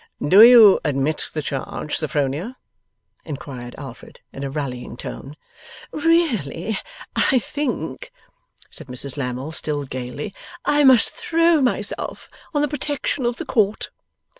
'Do you admit the charge, Sophronia?' inquired Alfred, in a rallying tone. 'Really, I think,' said Mrs Lammle, still gaily, 'I must throw myself on the protection of the Court.